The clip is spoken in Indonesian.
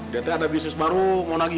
dllow ada bisnis baru mau damai